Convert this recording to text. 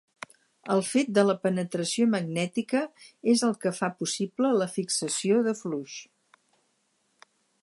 El fet de la penetració magnètica és el que fa possible la fixació de flux.